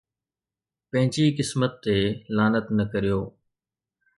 پنهنجي قسمت تي لعنت نه ڪريو